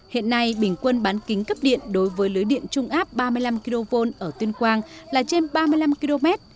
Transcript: hiện nay bình quân bán kính cấp điện đối với lưới điện trung áp ba mươi năm kv ở tuyên quang là trên ba mươi năm km